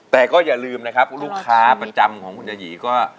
แต่ก็อย่าลืมนะครับลูกค้าประจำของคุณยายีก็